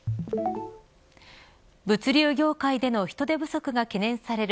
物流業界での人手不足が懸念される